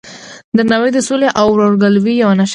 درناوی د سولې او ورورګلوۍ یوه نښه ده.